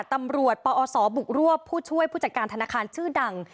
ปอศบุกรวบผู้ช่วยผู้จัดการธนาคารชื่อดัง